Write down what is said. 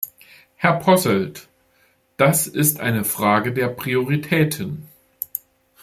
Herr Posselt, das ist eine Frage der Prioritäten.